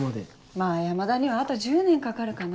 まぁ山田にはあと１０年かかるかな。